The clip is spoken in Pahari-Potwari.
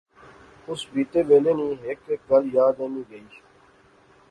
اس بیتے ویلے نی ہیک ہیک گل یاد اینی گئی